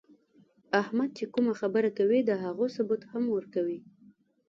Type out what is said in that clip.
احمد چې کومه خبره کوي، د هغو ثبوت هم ورکوي.